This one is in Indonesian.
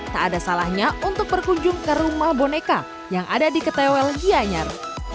tak ada salahnya untuk berkunjung ke rumah boneka yang ada di ketewel gianyar